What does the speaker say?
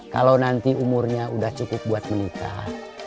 kalau nanti umurnya sudah cukup buat menikah